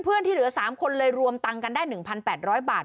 เพื่อนที่เหลือสามคนเลยรวมตังค์กันได้หนึ่งพันแปดร้อยบาท